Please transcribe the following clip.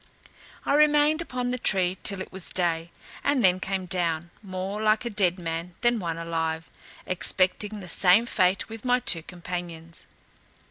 I remained upon the tree till it was day, and then came down, more like a dead man than one alive, expecting the same fate with my two companions.